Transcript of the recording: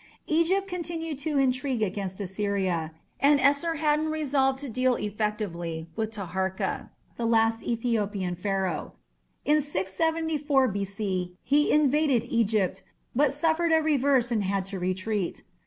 Egypt continued to intrigue against Assyria, and Esarhaddon resolved to deal effectively with Taharka, the last Ethiopian Pharaoh. In 674 B.C. he invaded Egypt, but suffered a reverse and had to retreat.